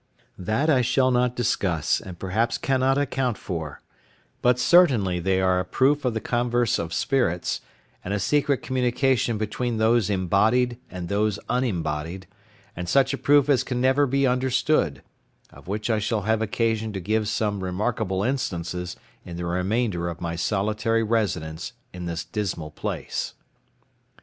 That I shall not discuss, and perhaps cannot account for; but certainly they are a proof of the converse of spirits, and a secret communication between those embodied and those unembodied, and such a proof as can never be withstood; of which I shall have occasion to give some remarkable instances in the remainder of my solitary residence in this dismal place.